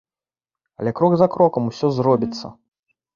Але крок за крокам усё зробіцца.